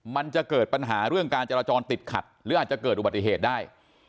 มันจะเกิดปัญหาเรื่องการจราจรติดขัดหรืออาจจะเกิดอุบัติเหตุได้